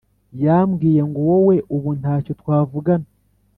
Yambwiye ngo wowe ubu ntacyo twavugana